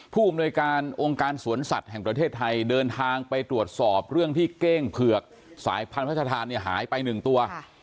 ผู้อำนวยการองค์การสวนสัตว์แห่งประเทศไทยเดินทางไปตรวจสอบเรื่องที่เก้งเผือกสายพันธานเนี่ยหายไป๑ตัว